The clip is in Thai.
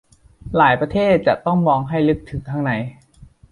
หลายประเทศ จะต้องมองให้ลึกถึงข้างใน